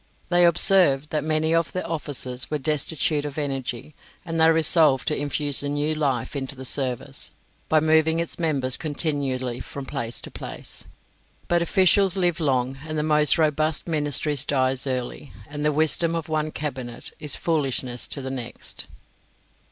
They observed that many of their officers were destitute of energy, and they resolved to infuse new life into the service, by moving its members continually from place to place. But officials live long, and the most robust ministry dies early, and the wisdom of one cabinet is foolishness to the next.